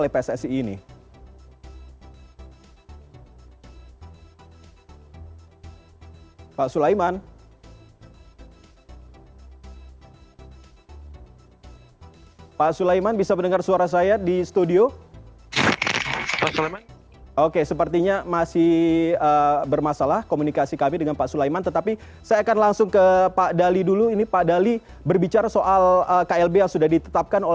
pembangunan pembangunan pembangunan pembangunan